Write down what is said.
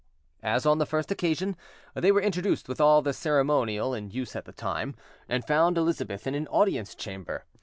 As on the first occasion, they were introduced with all the ceremonial in use at that time, and found Elizabeth in an audience chamber.